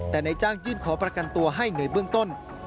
แต่นายจ้างยื่นขอประกันตัวให้ในเบื้องต้น